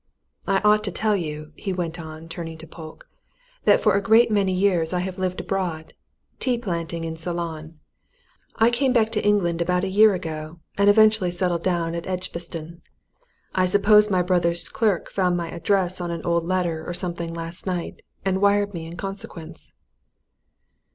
I ought to tell you," he went on, turning to Polke, "that for a great many years I have lived abroad tea planting in Ceylon. I came back to England about a year ago, and eventually settled down at Edgbaston. I suppose my brother's clerk found my address on an old letter or something last night, and wired to me in consequence."